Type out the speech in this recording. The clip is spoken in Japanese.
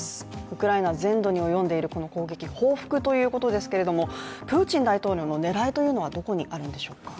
ウクライナ全土に及んでいるこの攻撃報復ということですけれども、プーチン大統領の狙いはどこにあるんでしょうか？